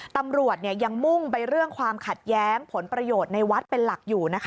ตำรวจยังมุ่งไปเรื่องความขัดแย้งผลประโยชน์ในวัดเป็นหลักอยู่นะคะ